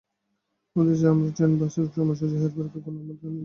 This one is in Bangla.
আমাদের দেশে আমরা ট্রেন বা বাসের সময়সূচির হেরফেরকে গোনার মধ্যেই আনি না।